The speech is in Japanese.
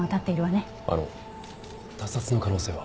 あの他殺の可能性は？